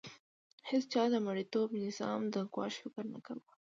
هیڅ چا د مرئیتوب نظام د ګواښ فکر نه کاوه.